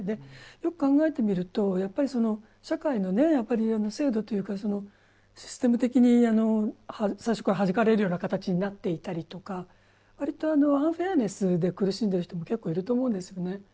よく考えてみると社会の制度というかシステム的に最初からはじかれるような形になっていたりとか割とアンフェアネスで苦しんでる人も結構いると思うんですよね。